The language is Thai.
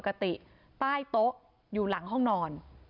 พวกนั้นปิ๊มสั่งขายโต๊ะอยู่หลังห้องนอน